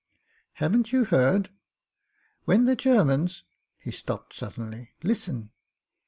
"Haven't you heard? When the Germans " He stopped suddenly. "Listen